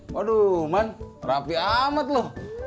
waduh man rapi amat loh